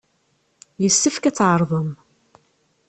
Yessefk ad tɛerḍem!